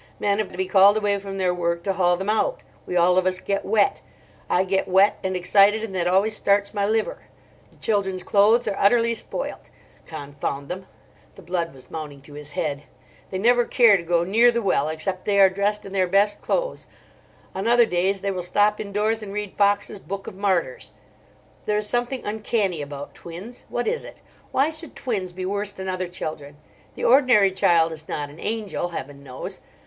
Men have to be called away from their work to haul them out. We all of us get wet. I get wet and excited, and that always starts my liver. The children's clothes are utterly spoilt. Confound them,"—the blood was mounting to his head—"they never care to go near the well except they are dressed in their best clothes. On other days they will stop indoors and read Foxe's 'Book of Martyrs.' There is something uncanny about twins. What is it? Why should twins be worse than other children? The ordinary child is not an angel, Heaven knows.